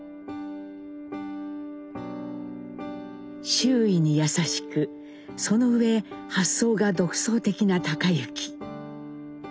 周囲に優しくそのうえ発想が独創的な隆之。